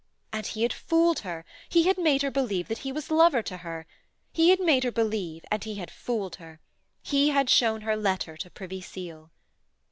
And he had fooled her! He had made her believe that he was lover to her. He had made her believe, and he had fooled her. He had shown her letter to Privy Seal.